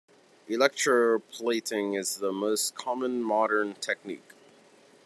Electroplating is the most common modern technique.